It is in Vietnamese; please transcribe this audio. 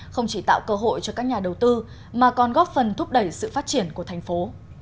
không chỉ tạo cơ hội cho các nhà đầu tư mà còn góp phần thúc đẩy sự phát triển của thành phố